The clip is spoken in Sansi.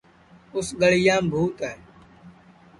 اُس گݪیام بھوت ہے